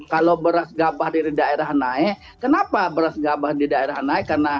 kalau beras gabah dari daerah naik kenapa beras gabah di daerah naik